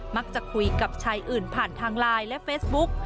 มักจะคุยกับชายอื่นผ่านทางไลน์และเฟซบุ๊ก